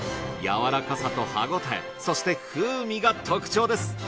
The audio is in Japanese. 柔らかさと歯ごたえそして風味が特徴です！